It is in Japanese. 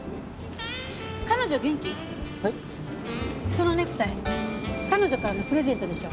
そのネクタイ彼女からのプレゼントでしょ？